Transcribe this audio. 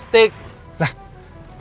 kita itu bukan mau mencari